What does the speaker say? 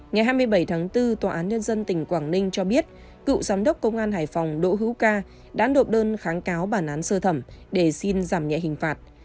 ngày hai mươi bảy tháng bốn tòa án nhân dân tỉnh quảng ninh cho biết cựu giám đốc công an hải phòng đỗ hữu ca đã nộp đơn kháng cáo bản án sơ thẩm để xin giảm nhẹ hình phạt